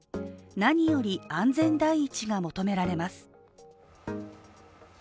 何より安全第一が求められます。